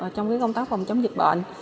trong cái công tác phòng chống dịch bệnh